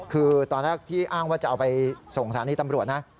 คือตอนแรกที่อ้างว่าจะเอาไปส่งสถานีตำรวจนะ